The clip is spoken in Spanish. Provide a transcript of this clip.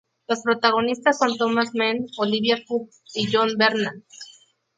Los protagonistas son Thomas Mann, Olivia Cooke y Jon Bernthal.